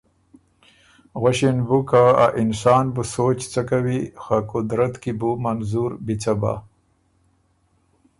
غؤݭِن بُو که ا انسان بُو سوچ څۀ کوی خه قدرت کی بو منظور بی څۀ بَۀ